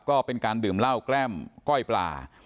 ก็เป็นการดื่มเหล้าแกล้มก้อยปลา